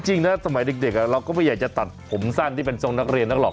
จริงนะสมัยเด็กเราก็ไม่อยากจะตัดผมสั้นที่เป็นทรงนักเรียนนักหรอก